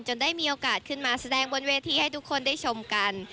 ได้มีโอกาสขึ้นมาแสดงบนเวทีให้ทุกคนได้ชมกัน